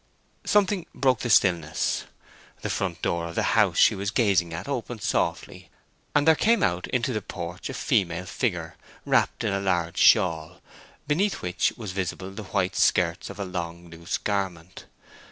Something broke the stillness. The front door of the house she was gazing at opened softly, and there came out into the porch a female figure, wrapped in a large shawl, beneath which was visible the white skirt of a long loose garment.